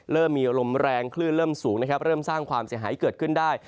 เริ่มมีลมแรงคลื่นเริ่มสูงนะครับเริ่มสร้างความเสียหายเกิดขึ้นได้